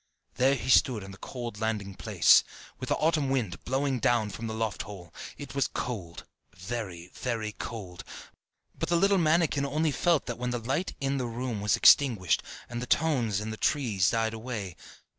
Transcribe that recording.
There he stood on the cold landing place, with the autumn wind blowing down from the loft hole: it was cold, very cold; but the little mannikin only felt that when the light in the room was extinguished, and the tones in the tree died away.